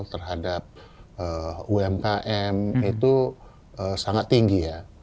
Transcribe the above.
terhadap umkm itu sangat tinggi ya